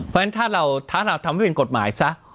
เพราะฉะนั้นถ้าเราทำให้เป็นกฎหมาย